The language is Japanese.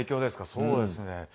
そうですね。